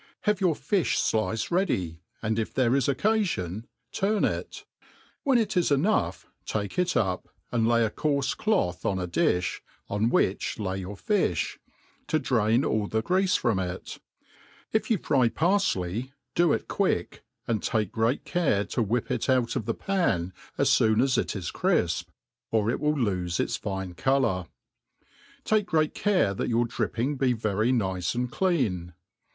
Have your fifli flice ready, and if there is occafion turn iti when it is enough, take it up, and lay a coarfe cloth on a difli, op which lay your fifli, to drain all the greafe from it; if yoti fry parfley, do it quick, and take great care to whip it out of the pan as foon as it is crifp, or it will lofe its fine colour* Take great care that your dripping be very nice and clean.